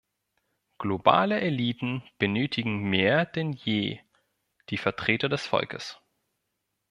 Globale Eliten benötigen mehr denn je die Vertreter des Volkes.